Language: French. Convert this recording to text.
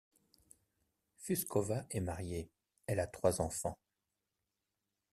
Fuskova est mariée, elle a trois enfants.